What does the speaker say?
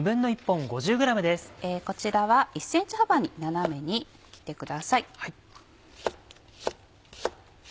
こちらは１ｃｍ幅に斜めに切ってください。